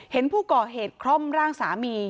เห็นผู้ก่อเหตุคล่อมร่างสามี